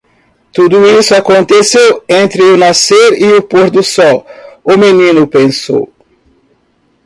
Tudo isso aconteceu entre o nascer eo pôr do sol? o menino pensou.